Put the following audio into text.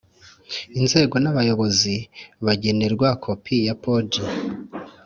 Inzego n abayobozi bagenerwa kopi ya poji